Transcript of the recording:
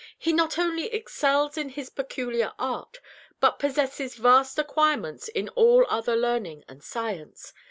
"He not only excels in his peculiar art, but possesses vast acquirements in all other learning and science.